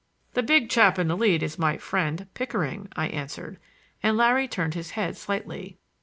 "The big chap in the lead is my friend Pickering," I answered; and Larry turned his head slightly.